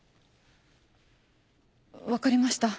分かりました。